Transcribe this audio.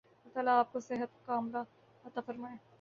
اللہ تعالی آپ کو صحت ِکاملہ عطا فرمائے۔